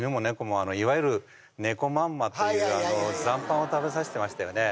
あのいわゆる猫まんまっていう残飯を食べさせてましたよね